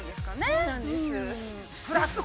◆そうなんです。